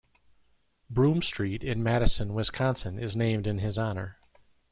Broom Street in Madison, Wisconsin is named in his honor.